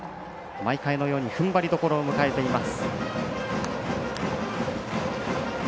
毎回のようにふんばりどころを迎えています。